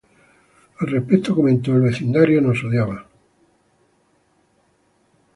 Al respecto comentó: "El vecindario nos odiaba.